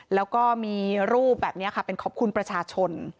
แล้วก็มีรูปแบบนี้ค่ะเป็นขอบคุณประชาชน